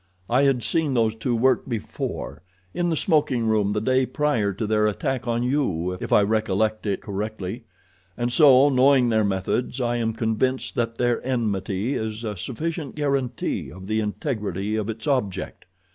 "I had seen those two work before—in the smoking room the day prior to their attack on you, if I recollect it correctly, and so, knowing their methods, I am convinced that their enmity is a sufficient guarantee of the integrity of its object.